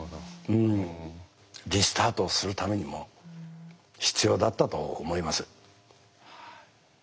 うんリスタートするためにも必要だったと思います。